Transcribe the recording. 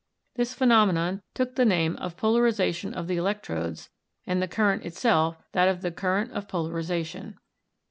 This phenomenon took the name of 'polariza tion of the electrodes' and the current itself that of the 'current of polarization.'